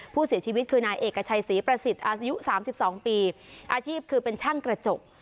ผู้เสียชีวิตคือนายเอกชัยศรีประสิทธิ์อายุ๓๒ปีอาชีพคือเป็นช่างกระจก